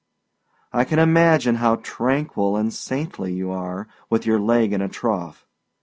I can imagine how tranquil and saintly you are with your leg in a trough!